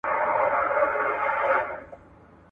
• غل هم وايي خدايه، د کور خاوند هم وايي خدايه.